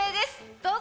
どうぞ。